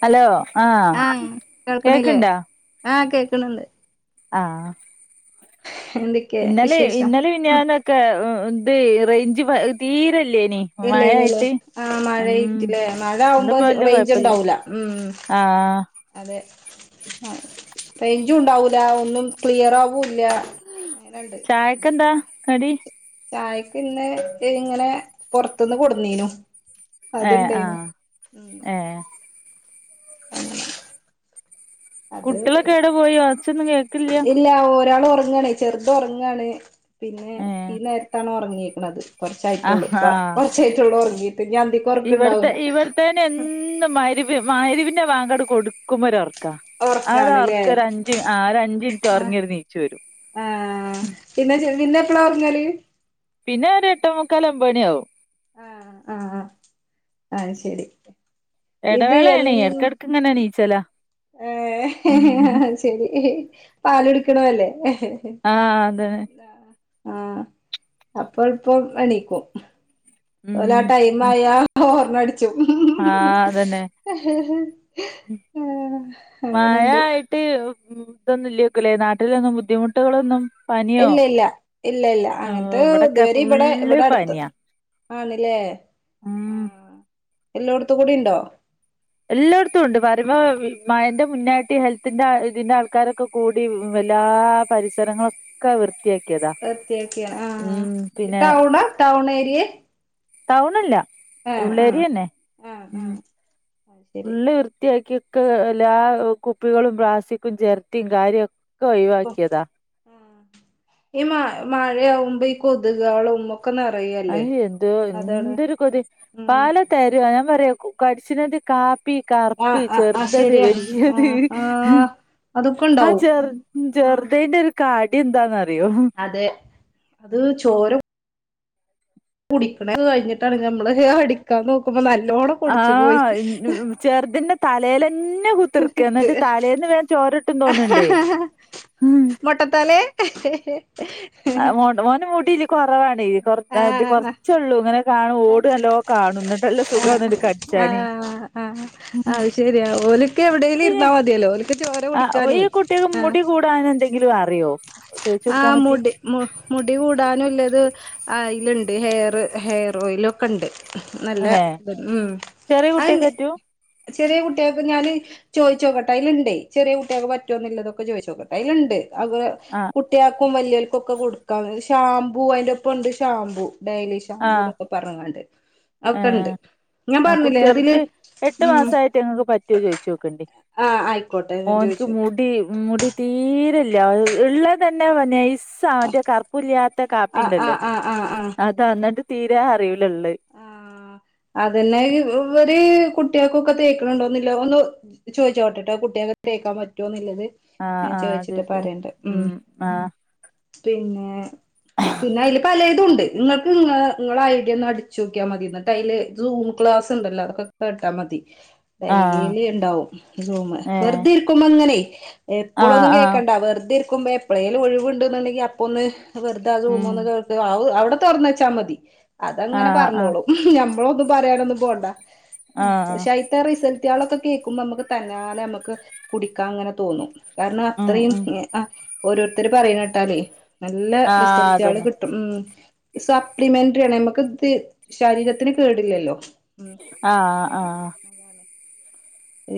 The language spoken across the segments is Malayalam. ഹലോ ആഹ് കേക്കണ്ടോ ആഹ് കേക്കണണ്ട് ആഹ് [unintelligible] ഇന്നലെ വിശേഷം ഇന്നലെ ഉം മിനഞ്ഞാന്നൊക്കെ ഇത് റേഞ്ച് തീരല്ലേനി ഇല്ല ഇല്ലല്ലേ ആ മഴ എത്തില്ലേ മഴ ആവുമ്പോ ഇന്ന്പ്പോ വല്യ റേഞ്ച് കൊഴപ്പല്ല ഉണ്ടാവൂല്ല ഉം ആഹ് അതെ ആഹ് റേഞ്ചും ഉണ്ടാവൂല്ല ഒന്നും ക്ലിയർ ആവൂല്ല അങ്ങനുണ്ട് ചായക്കെന്താ കടി ചായക്ക് ഇന്ന് ഇങ്ങനെ പൊറത്തൂന്ന് കൊണ്ടുന്നാരുന്നു ഏഹ് അതുണ്ടായിരുന്നു ആഹ് ഏഹ് കുട്ടികളൊക്കെ അത് എവിടെ പോയി ഒച്ചൊന്നും കേൾക്കില്യാ ഇല്ല ഒരാൾ ഉറങ്ങാണ് ചെറുത് ഉറങ്ങാണ് പിന്നെ ഈ ഏഹ് നേരത്താണ് ഉറങ്ങിയേക്കണത് കുറച്ചായിട്ടുള്ളൂ ആഹ് ആഹ് കുറച്ചായിട്ടുള്ളു ഉറങ്ങീട്ട് ഇനീ അന്തിക്ക് ഇവിടുത്തെ ഉറക്കുണ്ടാവില്ല ഇവിടത്തേന് എന്നും [unintelligible] മഗിരിബിന്റെ ബാങ്ക് അങ്ങട് കൊടുക്കുമ്പോരൊറക്കാണ് അത് ഉറക്കാണ്ല്ലേ അവർക്ക് ഒരു അഞ്ച് അഞ്ച് മിനിറ്റ് ഉറങ്ങി എണീച്ചു വരും ആഹ് പിന്നെ ചെറുത് എപ്പളാ ഉറങ്ങല് പിന്നെ ഒരു എട്ടോ മുക്കാൽ ഒമ്പമണിയാവും ആഹ് അത് ശരി ഇത് ഇടവേള ആണ് ഇടക്കിടക്ക് ഇങ്ങനെ ഇനീച്ചാലോ ഏഹ്ഹ് ഹ് ശരി പാല് കുടിക്കണതല്ലേ ആ അതന്നെ ആഹ് അപ്പം ഇപ്പം എണിക്കും ഉം ലെ ടൈം ഉം ആയാ ഓർണ ആ അതന്നെ ഹഹഹ ആഹ് മഴ അങ്ങനുണ്ട് ആയിട്ട് ഇതൊന്നും ഇല്ലിക്കല്ലേ നാട്ടിലൊന്നും ബുദ്ധിമുട്ടുകളൊന്നും പനിയോ ഇല്ല ഇല്ല ഇല്ല ഇല്ല ആ അത് ഇവിടൊക്കെ ഇതുവരെ ഇവിടെ ഫുള്ള് ഇവിടെ അടുത്ത് പനിയാ ആണില്ലേ ഉം ആഹ് എല്ലോടത്തും കൂടി ഉണ്ടോ എല്ലായിടത്തും ഉണ്ട് പറയുമ്പോ മയന്റെ മുന്നായിട്ട് ഹെൽത്തിന്റെ ഇതിന്റെ ആൾക്കാരൊക്കെ കൂടി എല്ലാ പരിസരങ്ങളൊക്കെ വൃത്തി കേക്കതാ ഒറ്റയ്ക്കാ ആ ഈ ടൗണാ ടൗണേരിയെ ടൗണല്ല ആഹ് ഉള്ളേരിയന്നെ ആഹ് ഉം ആഹ് അത് ശരി ഉള്ള് വൃത്തിയാക്കി എല്ലാ കുപ്പികളും പ്ലാസ്റ്റിക്കും ചെരട്ടയും കാര്യമൊക്കെ ഒഴിവാക്കിയതാ ഉം ഈ മാ മഴയാവുമ്പോ ഈ കൊതുകുകളൊന്നും ഒക്ക നിറയുവാ അ എന്തോ എന്തൊരു കൊതു ഉം പാലോത്തരി ഞാൻ പറയാ കടിച്ചനത് കാ പ്പി ആഹ് കറുപ്പ് ആഹ് ആഹ് ചെറുതത് ശരിയാണ് വല്യത് ആഹ് ആഹ് അതൊക്കെ ആ ഉണ്ടാവും ചെർ ജെർതേന്റൊരു കാട്യന്താന്നറിയോ അതെ അത് ചോരും കുടിക്ക്ണ കയിഞ്ഞിട്ടാണ് നമ്മളത് അടിക്കാൻ നോക്കുമ്പോ നല്ലോണം പൊടിച്ചു പോയി ആഹ് ചെർതിന്റെ തലേല് ഇങ്ങനെ കുത്തിർക്കെ എന്നിട്ട് തലേന്ന് വേം ചോറ് തിന്നോന്നൊണ്ടേ മൊട്ടത്തലേ ആ മോണ്ട മോൻ്റെ മുടീല് കൊറവാണ് ഈ പൊറത് ആഹ് കൊറച്ചുള്ളൂ ഇങ്ങനെ കാണും ഓടല്ലോ കാണുന്നട്ട് നല്ല സുഖമാന്നട്ട് ആഹ് കടിച്ചാന് ആഹ് അത് ശെരിയാ ഓൾക്ക് പിന്നെ എവിടേലിരുന്നാ മതിയല്ലോ ഓൽക്ക് ചോര കുടിക്കാനേ ആഹ് പ്ലാനെന്തെങ്കിലും അറിയോ തേച്ച് കൊടുക്കാൻ ആഹ് പറ്റി മുടി മു മുടി കൂടാനുള്ളത് അൽമേണ്ട് ഹെയർ ഹെയറോയിലക്കെയുണ്ട് നല്ല അല്ലെ ഉം ചെറിയ അത് കുട്ടിയൊക്കെറ്റു ചെറിയ കുട്ടികൾക്ക് ഞാല് ചോയിച്ചോക്കട്ടെ അയില്ണ്ടെയ് ചെറിയ കുട്ടിയോൾക്ക് പറ്റുവോന്നുള്ളതൊക്ക ചോയിച്ചോക്കട്ടെ അയിലിണ്ട് അവ ആ കുട്ടിയോൾക്കും വല്യോര്കും ഒക്കെ കൊടുക്കാ ഷാമ്പൂ അതിന്റോപ്പൊണ്ട് ഷാമ്പൂ ആ ഡെയിലിഷാമ്പൂ ന്നക്കെആ പറങ്ങണ്ട് ഏ അതൊക്കെണ്ട് ആ കുട്ടി ചെറുത് എട്ട് മാസായിട്ട് ങ്ങക്ക് പറ്റുവോചോയ് യിച്ചോക്കണ്ട് ആ ആയിക്കോട്ടെ ഞാൻ ചോദിച്ചോക്കാം ഒന്ക്ക്മുടി മുടി തീരെല്ലള്ള തന്നെ നൈസ് സാധാ കറുപ്പില്ലാത്ത ആ ആ കാപ്പിണ്ടല്ലോ ആ ആ ആ അതന്നട്ട് തീരെ അറിയൂലല്ലേത് ആ അതല്ലേ ഇവര് കുട്ടികൾക്കൊക്ക തേക്കണണ്ടോന്നിലോന്ന് ചോയിച്ചോക്കെട്ട ട്ടോ കുട്ടിയോൾക്ക് ‌ തേക്കാൻ പറ്റുമോന്നുള്ളത് ആഹ് ഞാൻ ആഹ് ചോയിച്ചിട്ട് ചോദിച്ചത് പറയണ്ട് ഉം ആഹ് പിന്നെ പിന്നെ അയിൽ പല തുണ്ട് നിങ്ങൾക്ക്ങ്ങള നിങ്ങള ഐ ഡി ഒന്ന അടീ- ചോയ്ക്കാ മതി എന്നിട്ട് അയില് സൂം ക്ലാസ്ണ്ടല്ലോ അതക്ക കേട്ടാൽ മതി ആഹ് ഡൈലി ഇണ്ടാവുംസൂം ഏഹ് വെറുതെരിക്കുമ്പങ്ങനെയ് ആഹ് എപ്പോഴൊന്നും ആഹ് കേക്കണ്ട വെറുതെ ഇരിക്കുമ്പോ എപ്പോഴേലും ഒഴിവുണ്ട്ന്നുണ്ടെങ്കി അപ്പ ഒന്ന് വെറുത അത് ഉം സൂംഒന്നു കേക്കുവാ അത് അത് അവിട തൊറന്ന് വെച്ചാ മതി അതങ്ങനെ ആഹ് ആഹ് [inaudible] ഞമ്മളൊന്നും പറയാനൊന്നും ആഹ് പോണ്ടപക്ഷേ ആയ് റിസൽറ്റ്കളക്കെ കേൾക്കുമ്പോ നമക്ക് തന്നാലെ നമുക്ക് കുടിക്കാൻ ങ്ങനെ തോന്നും കാരണം അത്രയും ഉം അ ഓരോരുത്തർ പറയുന്ന കേട്ടാലേ നല്ല ആഹ് റിസൽട്റ്റ്കള് അതന്നെ കിട്ട- ഉം സപ്ലിമെന്ററിയണ് നമ്മക്ക്ത് ശരീരത്തിന് കേടില്ലല്ലോ ആഹ് അതാണ് ആഹ് അതാണ്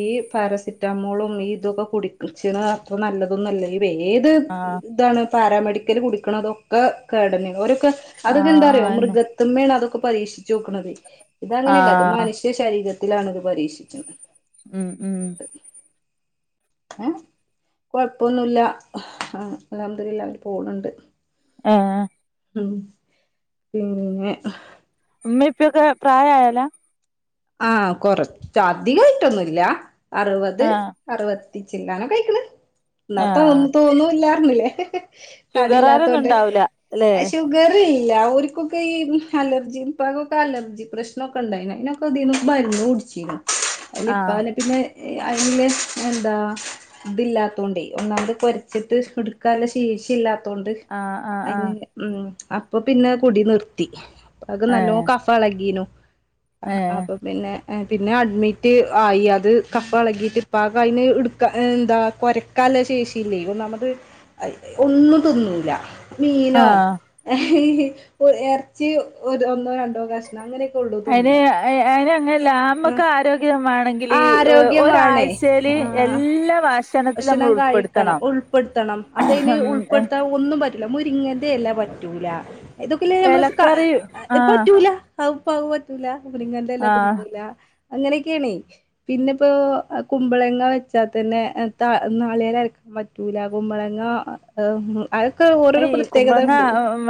ഈ പാരസിറ്റാമോളും ഈ ഇതൊക്കെ കുടിച്ചന് അത്ര നല്ലതൊന്നുമല്ല ഈ ഏത് ആഹ് ഇതാണ് പാരാമെഡിക്കൽ കുടിക്കണതൊക്കകെടന്നെ ഓല്ക്ക് അതക്കെ ആഹ് ന്താറിയോ ആന്നെ മൃഗ ത്തിമ്മേണതൊക്ക പരീക്ഷിച്ചോക്കണത് ഇതങ്ങനെയല്ലത് ആഹ് മനുഷ്യ ശരീരത്തിലാണ്ത് പരീക്ഷിച്ചത് ഉം ഉം ഏഹ് കൊഴപ്പൊന്നുല്ലഅഹ് അല്ഹംദുലില്ലാഹ് പോണണ്ട് ആഹ് ഉം പിന്നെഅഹ് ഉമ്മിപ്പെക്കെ പ്രായമായയാലാ ആഹ് കൊറച്ച അധികായിട്ടൊന്നുല്ല അറുവത് ആഹ് അറുപത്തി ചില്ലാനോക്കെ കആയിക്കണ് ആഹ് എന്നാത്തോന്നും തോന്നുമ്ല്ല അങ്ങനെ ഹഹ ഷുഗറാരൊന്നും തടില്ലാത്തോണ്ട് ഉണ്ടാവൂല അല്ലെ അശോ വരില്ല അവക്കൊക്കെ ഈ അലർജി ഇപ്പകൊക്കെ അലർജി പ്രശ്നമൊക്കെ ഉണ്ടായിരുന്ന് പിന്നെ ഇപ്പതിൽ നിന്ന് മരുന്നു കുടിച്ചീന്ന് അതില് ഇപ്പ ആഹ് നേ പിന്നെ അയില് എന്താ ഇതില്ലാ ത്തൊണ്ടേ ഒന്നാമത് കൊരച്ചിട്ട് എടുക്കാനില്ല ശേഷി ഇല്ലാ തൊണ്ട് ആഹ് ആഹ് അയിൻ ആഹ് ഉം അപ്പൊ പിന്നെ കുടി നിർത്തി അത് നല്ലോ ഏഹ് കഫ പളകീനു ആ ഏഹ് അപ്പൊ പിന്നെ പിന്നെ അഡ്മിറ്റ് ആയി അത് കഫ ഇളകിയിട്ട് പ്പാക് അതിന് ഇടുക്കാ ഹേ എന്താ കൊര കലശേഷില്ലേ ഒന്നാമത്അതിന് ഒന്നും തിന്നൂല മീനോ ആഹ് അഹ് ഇറച്ചി ഒരു ഒന്നോ രണ്ടോ കശ അങ്ങനൊക്കെ ഉള്ളൂ തി ന്ന ഹെ അതിന് അതിനന്ങ്ങനെല്ല നമ്മൊക്കെ ആരോഗ്യമാണെങ്കിൽ ആരോഗ്യമാണ് ഒരാഴ്ചല് ആഹ് എല്ലാ ഭക്ഷ ഭക്ഷണം കഴിക്കണം ഉൾപ്പെടുത്തണം അതയിൻ ഉം ഉൾപ്പെടുത്താൻ ഒന്നും മതി മുരിങ്ങന്റെ എല പറ്റൂല ഇതൊക്കെ ലേനമ്മ കാ എലക്കറി അഹ് ആഹ് പറ്റൂല പറ്റൂല മുരിങ്ങയുടെ ഇല ആഹ് തിന്നൂല്ല അങ്ങനെയൊക്കെയാണേ പിന്നെ ഇപ്പോ കുമ്പളങ്ങ വെച്ചാൽ തന്നെ നാളികേരം അരക്കാൻ പറ്റൂല കുമ്പളങ്ങ അതൊക്കെ ഓരോരോ ഈ പ്രത്യേകത കുമ്പളങ്ങ ഉണ്ട്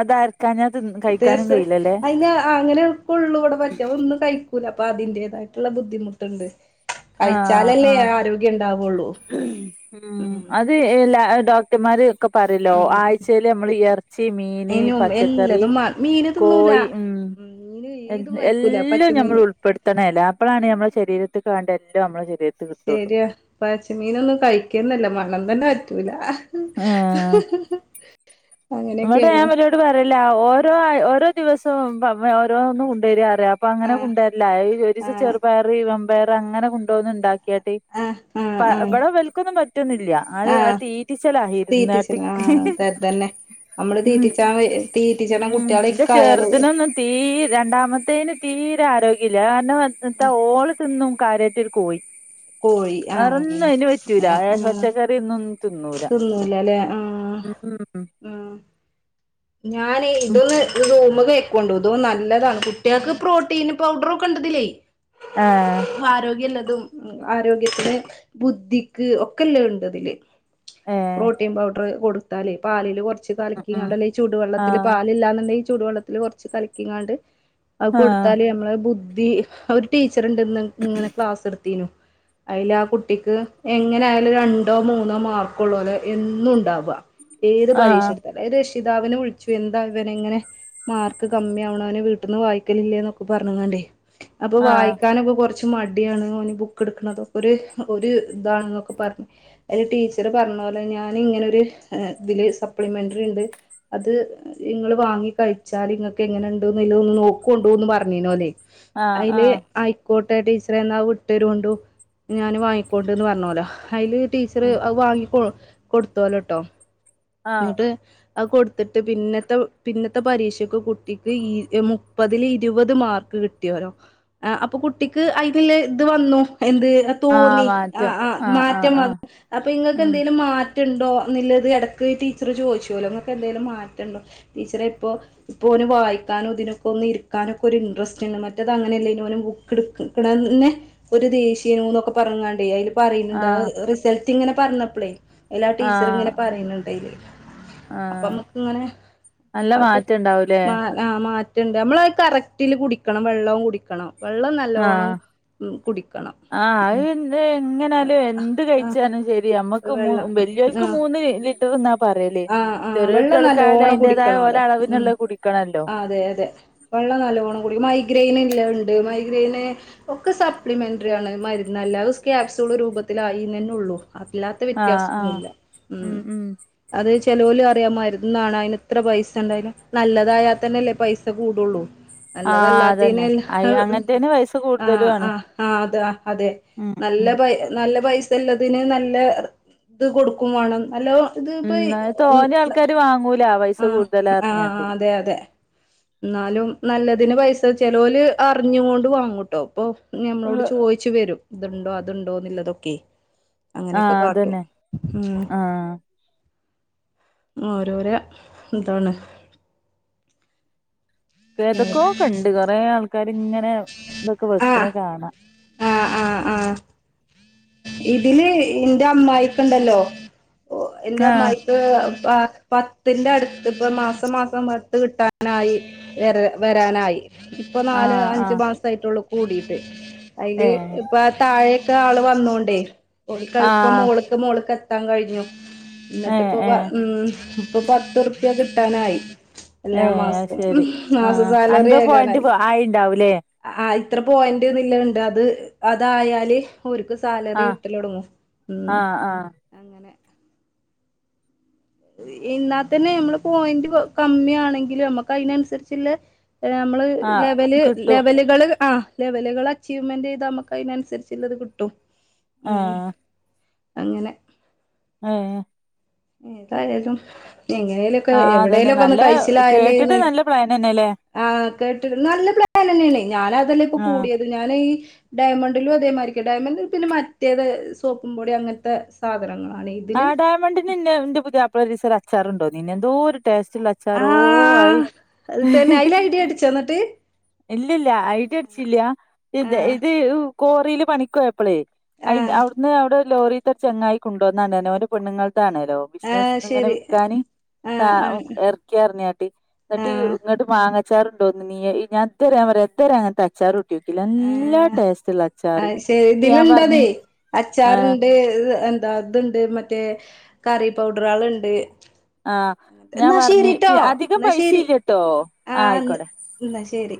അതരക്കാഞ്ഞാ തിന്ന് കഴിക്കാനും ടേസ്റ്റ് കഴിയില്ലല്ലേ അതിന് അങ്ങനെ കൊള്ളു ഇവടെ പറ്റുക ഒന്നും കഴി ക്കൂല അപ്പ അതിൻ്റെതായിട്ടുള്ള ബുദ്ധിമുട്ടുണ്ട് ആഹ് കഴിച്ചാലല്ലേ ആഹ് ആരോഗ്യം ഉണ്ടാവുള്ളൂ ഉം അത് എല്ലാ ഡോക്ടർമാർ ഒക്കെ പറയല്ലോ ഉം ആഴ്ചയിൽ നമ്മള് ഇ ഇറച്ചി, മീന്, അയിനും പച്ചക്കറി, എല്ലതും മാ മീന് തിന്നൂല കോഴി ഉം മീന് ഏതും കഴിക്കൂല എല്ലാം നമ്മൾ പച്ചമീന് ഉൾപ്പെടുത്തണേലോ അപ്പോളാണ് നമ്മുടെ ശരീരത്തിക്ക് വേണ്ട എല്ലാം നമ്മളെ ശരീര ശരിയാ പച്ചമീനൊന്നും കഴിക്കുക തന്നെ ഇല്ല മണം തന്നെ പറ്റൂല ആഹ് ഇവടെ ഞാൻ അങ്ങനെയൊക്കെയാണ് ഓലോട് പറയലാ ഓരോ ഓരോ ദിവസവും ഓരോന്നും കൊണ്ടുവരിക അപ്പൊ അങ്ങനെ ആഹ് കൊണ്ടുവരലാ ഒരു ദിവസം ആഹ് ചെറുപയർ, മമ്പയർ അങ്ങനെ കൊണ്ടോന്ന് ഉണ്ടാക്കിയിട്ട് ആഹ് ആ പ ഇവിടെ ഇവൽക്കൊന്നും പറ്റു ഒന്നും ഇല്ല അത് ആ ആഹ് തീറ്റിച്ചെലാ ഇരുന്നാട്ട് അതന്നെ നമ്മള് തീറ്റ ഉം ച തീറ്റിച്ചണം കുട്ടികളൊക്കെ ആയാലും തീരെ രണ്ടാമത്തേതിന് തീരെ ആരോഗ്യമില്ല അത് കാരണം എത്താ ഓള് തിന്നും കാര്യായിറ്റ് ഒരു കോഴി കോഴി ആഹ് വേറൊന്നും അതിന് പറ്റൂല ആ ആഹ് പച്ചക്കറി റിയൊന്നും തിന്നൂല തിന്നൂലല്ലേ ആഹ് ഉം ഉം ഞാനെ ഉം ഇതൊന്ന് റൂമ്ക് കൊണ്ടതും നല്ലതാണ് കുട്ടികൾക്ക് പ്രോട്ടീൻ പൗഡറൊക്കെ ഇണ്ട് ഇതിലേ ആഹ് ആരോഗ്യം ഇള്ളതും ആരോഗ്യത്തിന്, ബുദ്ധിക്ക് ഒക്കെ ഉള്ളത് ഉണ്ട് ഇതില് ഏഹ് പ്രോട്ടീൻ പൗഡറ് കൊടുത്താല് പാലില് കുറച്ച് ഉം ഉം കലക്കിക്കാണ്ട് ചൂടുവെള്ളത്തിൽ ആഹ് പാലില്ലാന്നുണ്ടെങ്കിൽ ചൂടുവെള്ളത്തിൽ കുറച്ച് കലിക്കിങ്ങാണ്ട് അത് ആഹ് കൊടുത്താല് നമ്മള് ബദ്ധ ഒരു ടീച്ചർ ഇണ്ട് ഇന്ന് ഇങ്ങനെ ക്ലാസ് എടുത്തീനു അതിൽ ആ കുട്ടിക്ക് എങ്ങനെ ആയാലും രണ്ടോ മൂന്നോ മാർക്ക് ഉള്ളൂലോ എന്നും ഉണ്ടാവുക ഏത് ആഹ് പരീക്ഷ എടുത്താലും ഏത് രക്ഷിതാവിനെ വിളിച്ചു എന്താ ഇവന് ഇങ്ങനെ മാർക്ക് കമ്മി ആവണത് അവന് വീട്ടിന്ന് വായിക്കലില്ലേന്നൊക്കെ പറഞ്ഞ്ക്കാണ്ടേ അപ്പൊ ആഹ് വായിക്കാനൊക്കെ കൊറച്ച് കുറച്ച് മടിയാണ് ഓന് ബുക്ക് എടുക്കണത് അതൊക്കെ ഒരു ഒരു ഇതാണെന്നോക്കെ പറഞ്ഞ് അയല് ടീച്ചറ് പറഞ്ഞോലെ ഞാൻ ഇങ്ങനെ ഒരു ഇതില് സപ്ലിമെന്ററി ഉണ്ട് അത് നിങ്ങൾ വാങ്ങി കഴിച്ചാൽ ഇങ്ങൾക്ക് എങ്ങനെ ഉണ്ട്ന്ന്ള്ളത് നോക്കൊണ്ടുന്ന് പറഞ്ഞീനോല് ആഹ് അയില് ആയി ആഹ് ആയിക്കോട്ടെ ടീച്ചറെ എന്നാ വിട്ടരുണ്ടു ഞാന് വാങ്ങിക്കോണ്ട്ന്ന് പറഞ്ഞേലോ അതില് ടീച്ച്റ് ഉം അത് വാങ്ങി കൊട്ത്തോലൊട്ടോ ആഹ് എന്നിട്ട് അത് കൊട്ത്ത്ട്ട് പിന്നത്തെ പിന്നത്തെ പരീക്ഷക്ക് കുട്ടിക്ക് ഈ മുപ്പതില് ഇരുവത് മാർക്ക് കി ട്ടിയേലൊ അപ്പൊകുട്ടിക്ക് അയ്ന്ള്ള ഇത് വന്നു എന്ത് ആഹ് തോന്നി ആഹ് മാറ്റും ആഹ് ആഹ് മാറ്റംവന്ന് ആഹ് അപ്പൊ ഇങ്ങക്ക് ഉം എന്തെകിലും മാറ്റ് മാറ്റംണ്ടോ എന്ന്ള്ളത് എടക്ക് ഈ ടീച്ചറ് ചോയ്ച്ചോലോ ഇങ്ങക്ക് എന്തേലും മാറ്റണ്ടോ ടീച്ചറെ ഇപ്പോ ഇപ്പോ ഓന് വായിക്കാനും ഇതിനൊക്കൊന്ന് ഇരിക്കാനൊക്കൊരു ഇട്രസ്റ്റ്ണ്ട് മറ്റേത് അങ്ങനെല്ലേയ്നി ഓന്‌ ബു ക്ക് എട്ക്ക്ണത് തന്നെ ഒരു ദേഷ്യയേനുന്നൊക്കെ പറ്ഞ്ഞ്ങ്ങാണ്ടെയ് അയ്ല് പറയ്ണ് ഇണ്ട് ആ ആഹ് റിസൽറ്റ് ഇങ്ങനെ പറഞ്ഞപ്പളേ അയ്ലാ ടീച്ചറ് ഇങ്ങനെ ആഹ് പറയ്ണ് ഇണ്ട് അയ്ല് അപ്പം ആഹ് അമ്മക്ക് ഇങ്ങനെ നല്ല ആഹ് കുടി മാറ്റം ഉണ്ടാവൂലേ മാ ആഹ് മാറ്റണ്ട് അമ്മളത് കറക്റ്റില് കുടിക്കണം വെള്ളവും കുടിക്കണം വെള്ളം ആഹ് നല്ലോണം ഉം കുടിക്കണം ആഹ് ഉം അത് എങ്ങനായാലും എന്ത്കഴിച്ചാലും ശെരി അമ്മക്ക് മൂ വെള്ളം വെല്ല്യോൽക്ക് ആഹ് മൂന്ന് ലി റ്ററ് എന്നാ പറയല് ആഹ് ആഹ് ചെറിയ വെള്ളം കുട്ട്യോൾക്കായാലും നല്ലോണം ഐന്റേതായ കുടിക്കണോലോ ഉം ഓലഅളവ്ന്ള്ളത് കുടിക്കണല്ലോ അതെ അതെ വെള്ളം നല്ലോണം കുടി മൈഗ്രൈന്ല്ലഹ്ണ്ട് മൈഗ്രൈന് ഒക്കെ സപ്ലിമെന്റെറ്രിയാണ് മര്ന്നല്ല അത് ക്യാപ്സൂള് രൂപത്തിലായിന്നെന്നൊ ഉള്ളൂ അല്ലാത്ത ആഹ് ആഹ് വ്യത്യാസൊന്നുംല്ല ഉം ഉം അത് ചെലോല് പറയും മരുന്നാണ് ഐന് ഇത്ര പൈസണ്ടായ്നു നല്ലതായതന്നെല്ലേ പൈസകൂടൊള്ളൂ ആഹ് നല്ലതല്ലാത്തീന് അതന്നെ അയ് അഹ് അങ്ങനത്തേന് പൈസ കൂടുതലു ആണ് ആഹ് ആഹ് അത്ആ അതെ ഉം ഉം നല്ലപൈ നല്ലപൈസല്ലതിന് നല്ല ഇത്കൊട്ക്കുംവാണം നല്ലോംഇത് ഉം അത് തോനെ [unintelligible] ആൾക്കാര് വാങ്ങൂല പൈസ ആഹ് കൂടുതലാ ആഹ് പറഞ്ഞാട്ട് അതെ അതെ ന്നാലും നല്ലതിന്പൈസ ചെലോല് അറ്ഞ്ഞുകൊണ്ട് വാങ്ങുട്ടോ പ്പൊ ആഹ് ഞമ്മളോട്ചോയി ച്ച് വരും ഇത്ണ്ടോ അത്ണ്ടോന്ന്ല്ലതൊക്കെ അങ്ങനെക്കെ അതന്നെ കാട്ടും ഉം ആഹ് ഓരോര ഇതാണ് ഏതൊക്കോകണ്ട് കൊറെ ആൾക്കാര്ങ്ങനെ ഇതൊക്കെ ആഹ് വെക്ക്ണത് കാണാ ആഹ് ആഹ് ആഹ് ഇതില് ഇന്റെ അമ്മായിക്ക്ണ്ടല്ലോ ഓഹ് എന്റെ ആഹ് അമ്മായി ക്ക് പ പത്തിന്റെ അട്ത്ത് ഇപ്പ മാസം മാസം പത്ത്കിട്ടാനായി വെരല് വെരാനായി ഇപ്പൊ നാല് ആഹ് അഞ്ച് ആഹ് മാസായിട്ടൊള്ളു കൂടിയിട്ട് ഐല് ഏഹ് ഇപ്പാ താഴെ ത്താള് വന്നോണ്ടേയ് ഓൽക്കത്പ്പം ആഹ് മോള്ക്ക് മോള്ക്ക് എത്താൻ കഴിഞ്ഞു ഏഹ് ഇന്നട്ട്പ്പൊ പ ഏഹ് ഉം ഇപ്പൊപത്തുർപ്യ കിട്ടാനായി ഏഹ് അത് എല്ലാമാസോം ഉം മാസസാലറി വരാനായി ആയിണ്ടാവുലേ ആഹ് ഇത്ര പോയിന്റ്ന്ന്ല്ലത്ണ്ട് അത് അതായാല് ഓര്ക്ക് സാലറി ആഹ് കിട്ടല് തൊടങ്ങും ഉം ആഹ് ആഹ് അങ്ങനെ ഇന്നാതന്നെ നമ്മളെ പോയിന്റ് കമ്മിയാണെങ്കിലും അമ്മക്ക് ഐനൻസരിച്ച്ല്ലേ ഏഹ് അമ്മള് ലെവല് ആഹ് കിട്ടും ലെവല് കള് ആഹ് ലെവല്കള് അച്ചീവ്മെൻ്റ് ചെയ്ത ഞമ്മക്കയ്നൻസരിച്ച്ല്ലത് കിട്ടും ഉം ആഹ് അങ്ങനെ അതെ ഏതായാലും എങ്ങനെലൊക്കെ ആഹ് അതന്നെ എവിടെലൊക്കൊന്ന് നല്ല കേട്ടിട്ട് കയിച്ചിലായാല്ന്ന് നല്ല പ്ലാനെന്നെല്ലേ ആഹ് കേട്ട്ണ് നല്ലപ്ലാനെന്നെണേയ് ഞാനഅതെല്ലെപ്പൊ ആഹ് കൂടിയത് ഞാന് ഈ ഡയമണ്ട്ലുംഅതേമാരിക്ക് ഡയമണ്ട് പിന്നെമറ്റേത് സോപ്പുംപൊടി അങ്ങൻത്തെ സാധനങ്ങളാണ് ഇ ആഹ് ഡയമണ്ട്ന്ന്ന്നെ ന്റെപുതിയാപ്ല ഒരീസം ഒരച്ചാറ് കൊണ്ടോന്നീനി എന്തോര് ടസ്റ്റ്ള്ള അ ആ ച്ചാറോ ആയി ചെന്ന്ട്ട് ഇല്ല്യല്ല ഐ ഡി അട്ച്ചില്ല്യാ ആ ഇത് ഇത് കോറീല് പണിക്കൊയ പ്പളേയ് ആ ഐ അവിടുന്ന് അവടെ ലോറിത്തെ ചെങ്ങായി കൊണ്ട് വന്നതാണ് പറഞ്ഞു ഓന്റെ പണ്ണ്ങ്ങൾതാണെലൊ ആ ബിസിനസ്സ് ഇങ്ങനെ ശരി വിൽക്കാന് ആ കാ ആ എർക്കി അറിഞ്ഞാല് ആ എന്നിട്ട് ഇങ്ങട്ട് മാങ്ങച്ചാറുണ്ടോന്ന് നീയേ ഞാൻ ഇത് വരെ ഞാൻ പറയാ ഇത് വരെ അങ്ങനത്തെ അച്ചാറു ട്ട്യോക്കിലാ ആ നല്ല ടേസ്റ്റുള്ള ആ അച്ചാറ് ശരി ഞാൻ പറഞ്ഞി ഇതിലുണ്ടതേ ആഹ് ദാ അത്ണ്ട് മറ്റേ കറി പൗഡറ്കള് ഇണ്ട് ആ ഞാൻ എന്നാ പറഞ്ഞ് ശരിട്ടോ അധികം എന്നാ പൈസ ശരി ഇല്ലട്ടോ ആ ആന്ന് ആയിക്കോട്ടെ ഇന്നാ ശരി